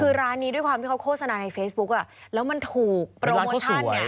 คือร้านนี้ด้วยความที่เขาโฆษณาในเฟซบุ๊กอ่ะแล้วมันถูกโปรโมชั่นเนี่ย